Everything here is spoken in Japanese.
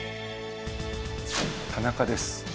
田中です。